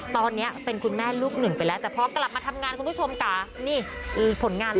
ตอนนี้เป็นคุณแม่ลูกหนึ่งไปแล้วแต่พอกลับมาทำงานคุณผู้ชมค่ะนี่ผลงาน